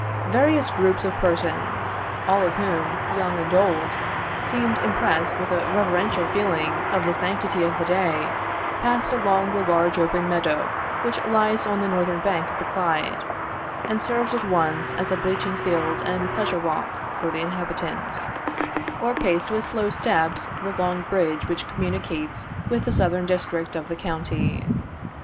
Various groups of persons, all of whom, young and old, seemed impressed with a reverential feeling of the sanctity of the day, passed along the large open meadow which lies on the northern bank of the Clyde, and serves at once as a bleaching field and pleasure walk for the inhabitants, or paced with slow steps the long bridge which communicates with the southern district of the county.